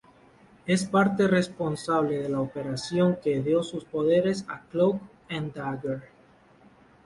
Es parte responsable de la operación que dio sus poderes a Cloak and Dagger.